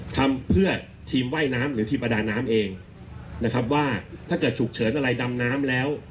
ทำเพื่อทีมว่ายน้ำหรือทีมประดาน้ำเองนะครับว่าถ้าเกิดฉุกเฉินอะไรดำน้ำแล้ว